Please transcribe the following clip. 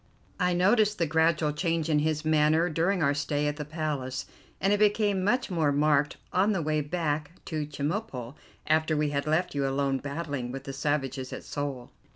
I noticed the gradual change in his manner during our stay at the Palace, and it became much more marked on the way back to Chemulpo, after we had left you alone battling with the savages of Seoul.